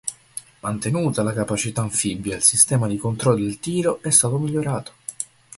Mantenuta la capacità anfibia e il sistema di controllo del tiro è stato migliorato.